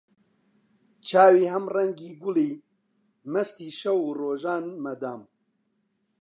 چاوی هەم ڕەنگی گوڵی، مەستی شەو و ڕۆژن مەدام